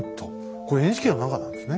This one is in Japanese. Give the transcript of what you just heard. これＮＨＫの中なんですね。